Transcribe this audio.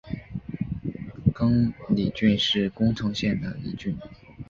亘理郡是宫城县的一郡。